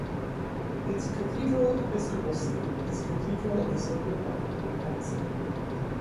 Its cathedral episcopal see is Cathedral of the Sacred Heart, in Pakse.